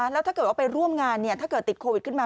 แล้วถ้าเกิดว่าไปร่วมงานถ้าเกิดติดโควิดขึ้นมา